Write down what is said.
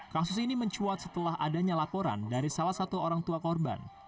kasus ini mencuat setelah adanya laporan dari salah satu orang tua korban